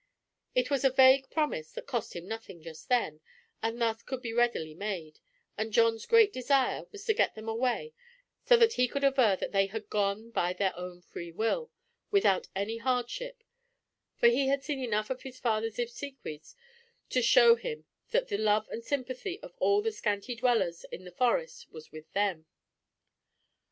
It was a vague promise that cost him nothing just then, and thus could be readily made, and John's great desire was to get them away so that he could aver that they had gone by their own free will, without any hardship, for he had seen enough at his father's obsequies to show him that the love and sympathy of all the scanty dwellers in the Forest was with them.